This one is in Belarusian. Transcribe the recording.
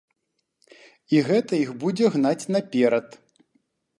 І гэта іх будзе гнаць наперад.